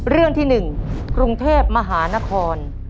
เรื่องที่๑กรุงเทพมหานคร